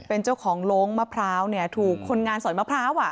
เป็นเจ้าของโรงมะพร้าวเนี่ยถูกคนงานสอยมะพร้าว